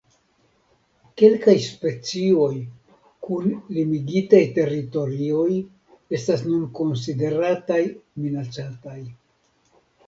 Kelkaj specioj kun limigitaj teritorioj estas nun konsiderataj minacataj.